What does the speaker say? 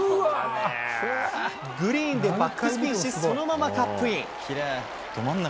グリーンでバックスピンし、そのままカップイン。